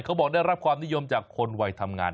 เขาบอกได้รับความนิยมจากคนวัยทำงาน